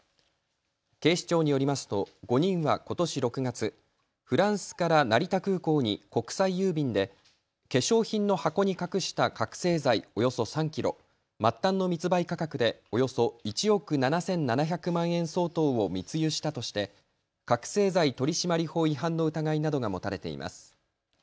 警視庁によりますと５人はことし６月、フランスから成田空港に国際郵便で化粧品の箱に隠した覚醒剤およそ３キロ、末端の密売価格でおよそ１億７７００万円相当を密輸したとして覚醒剤取締法違反の疑いなどが持たれています。